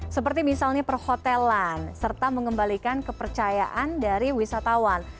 seperti misalnya perhotelan serta mengembalikan kepercayaan dari wisatawan